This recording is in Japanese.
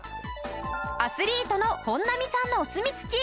アスリートの本並さんのお墨付き。